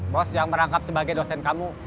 bos yang merangkap sebagai dosen kamu